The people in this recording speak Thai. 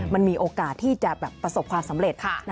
มันมีโอกาสที่จะประสบความสำเร็จ